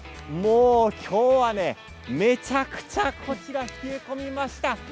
今日はめちゃくちゃ冷え込みました。